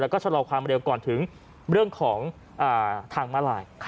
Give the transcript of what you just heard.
แล้วก็ชะลอความเร็วก่อนถึงเรื่องของทางมาลาย